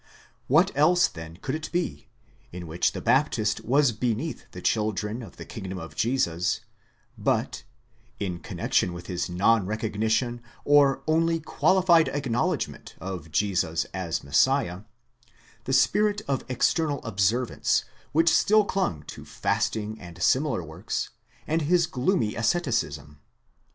What else then could it be, in which the Baptist was beneath the children of the kingdom of Jesus, but (in connexion with his non recognition or only qualified acknowledgment of Jesus as Messiah) the spirit of ex ternal observance, which still clung to fasting and similar works, and his gloomy asceticism?